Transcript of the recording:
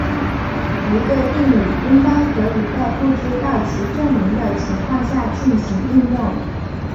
一个定理应当可以在不知道其证明的情况下进行应用。